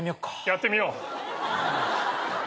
やってみよう。